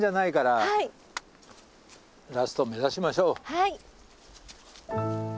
はい。